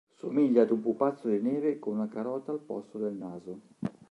Somiglia ad un pupazzo di neve con una carota al posto del naso.